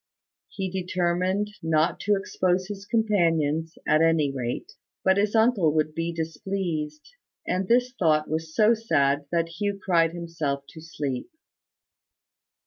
He determined not to expose his companions, at any rate: but his uncle would be displeased; and this thought was so sad that Hugh cried himself to sleep.